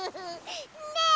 ねえ？